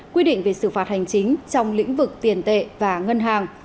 quy định về xử phạt hành chính trong lĩnh vực tiền tệ và ngân hàng